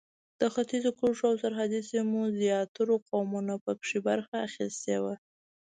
د ختیځو کرښو او سرحدي سیمو زیاترو قومونو په کې برخه اخیستې وه.